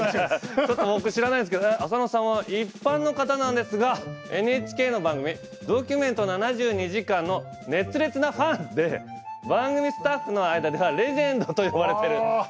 ちょっと僕知らないんですけど浅野さんは一般の方なんですがＮＨＫの番組「ドキュメント７２時間」の熱烈なファンで番組スタッフの間ではレジェンドと呼ばれてるすごい方。